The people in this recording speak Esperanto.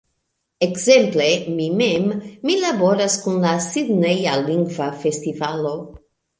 Ekzemple, mi mem, mi laboras kun la Sidneja Lingva Festivalo.